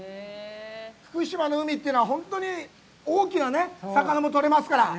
福島の海というのは、本当に大きな魚も取れますから。